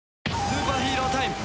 スーパーヒーロータイム。